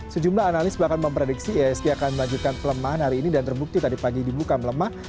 sejumlah analis bahkan memprediksi iasg akan melanjutkan pelemahan hari ini dan terbukti tadi pagi dibuka melemah